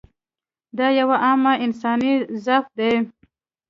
دا یو عام انساني ضعف دی.